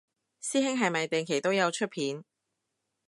師兄係咪定期都有出片